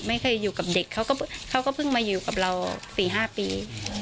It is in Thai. ไม่เคยอยู่กับเด็กเขาก็เพิ่งมาอยู่กับเรา๔๕ปี